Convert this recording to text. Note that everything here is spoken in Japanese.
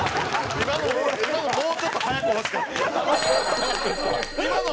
今のはもうちょっと早く欲しかった。